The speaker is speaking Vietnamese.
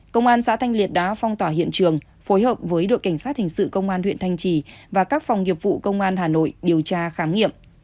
công an xã thanh liệt đã phong tỏa hiện trường phối hợp với đội cảnh sát hình sự công an huyện thanh trì và các phòng nghiệp vụ công an hà nội điều tra khám nghiệm